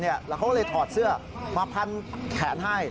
แล้วเขาก็เลยถอดเสื้อมาพันแขนให้